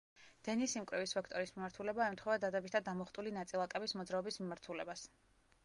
დენის სიმკვრივის ვექტორის მიმართულება ემთხვევა დადებითად დამუხტული ნაწილაკების მოძრაობის მიმართულებას.